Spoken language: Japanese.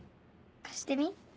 貸してみ。